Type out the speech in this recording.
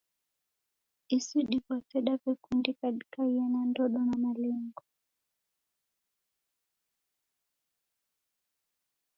Isi diw'ose daw'ekundika dikaiye na ndodo na malengo.